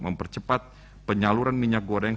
mempercepat penyaluran minyak goreng